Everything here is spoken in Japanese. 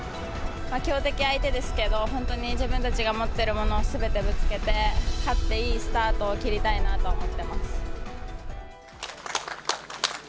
強敵相手ですけど、本当に自分たちが持ってるものをすべてぶつけて、勝って、いいスタートを切りたいなと思ってます。